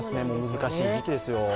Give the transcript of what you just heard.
難しい時期ですよ。